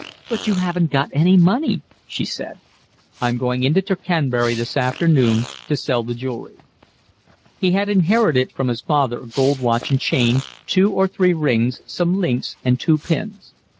"But you haven't got any money?" she said. "I'm going into Tercanbury this afternoon to sell the jewellery." He had inherited from his father a gold watch and chain, two or three rings, some links, and two pins.